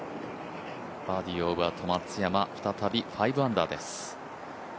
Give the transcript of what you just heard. バーディーを奪うと松山再び５アンダーです。